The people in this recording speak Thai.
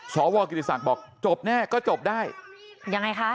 สวกิติศักดิ์บอกจบแน่ก็จบได้ยังไงคะ